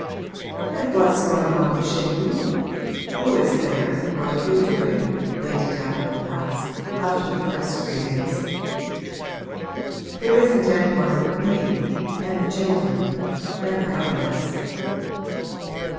'And what's going on chez vous who is there and what are they doing?' Lady Davenant asked, after the first greetings. 'There isn't any one but me and the children and the governess.'